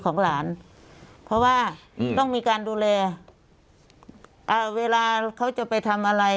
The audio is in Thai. ของหลานเพราะว่าอืมต้องมีการดูแลอ่าเวลาเขาจะไปทำอะไร